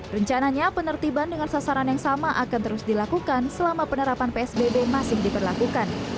rencananya penertiban dengan sasaran yang sama akan terus dilakukan selama penerapan psbb masih diberlakukan